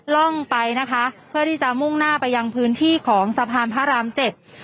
ร่องไปนะคะเพื่อที่จะมุ่งหน้าไปยังพื้นที่ของสะพานพระรามเจ็ด